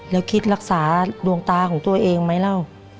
แล้วคิดรักษาดวงตาของตัวเองไหมเล่า